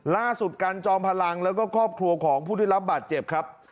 กันจอมพลังแล้วก็ครอบครัวของผู้ได้รับบาดเจ็บครับ